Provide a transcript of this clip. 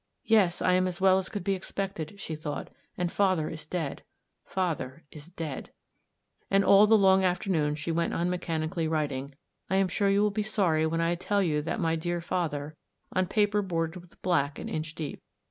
"Yes, I am as well as could be expected," she thought, "and father is dead. Father is dead." AN END AND A BEGINNING. % And all the long afternoon she went mechanically on writing, "/ am sure you will be sorry when I tell you that my dear father —" on paper bordered with black an inch deep.